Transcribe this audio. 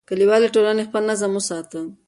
کلیوالي ټولنې خپل نظم وساته.